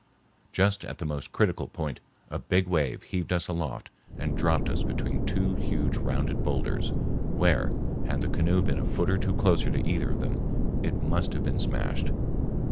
Just at the most critical point a big wave heaved us aloft and dropped us between two huge rounded boulders, where, had the canoe been a foot or two closer to either of them, it must have been smashed.